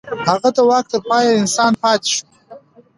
هغه د واک تر پای انسان پاتې شو.